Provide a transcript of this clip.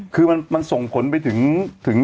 คือมันส่งผลไปถึง